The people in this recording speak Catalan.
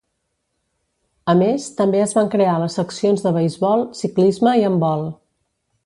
A més, també es van crear les seccions de beisbol, ciclisme i handbol.